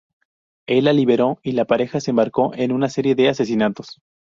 Él la liberó, y la pareja se embarcó en una serie de asesinatos.